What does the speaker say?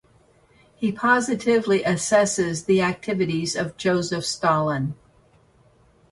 He positively assesses the activities of Joseph Stalin.